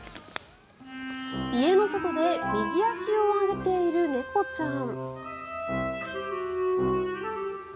家の外で右足を上げている猫ちゃん。